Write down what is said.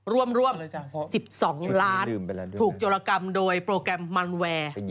ร่วม๑๒ล้านถูกโจรกรรมโดยโปรแกรมมันแวร์